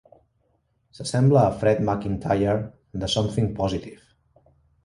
S'assembla a Fred MacIntire de "Something Positive".